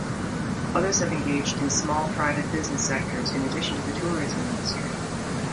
Others have engaged in small private business sectors, in addition to the tourism industry.